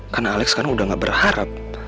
karena alex kan udah gak berharap